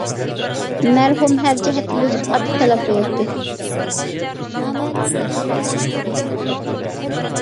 مەرھۇم-ھەر جەھەتتىن ئۆزىگە قاتتىق تەلەپ قوياتتى.